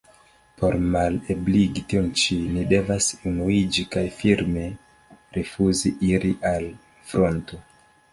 Por malebligi tion ĉi, ni devas unuiĝi kaj firme rifuzi iri al fronto.